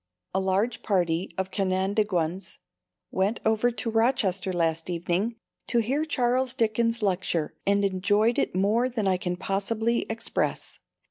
A large party of Canandaiguans went over to Rochester last evening to hear Charles Dickens' lecture, and enjoyed it more than I can possibly express.